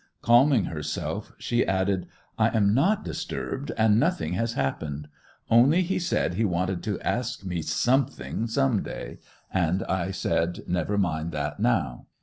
Calming herself she added, 'I am not disturbed, and nothing has happened. Only he said he wanted to ask me something, some day; and I said never mind that now.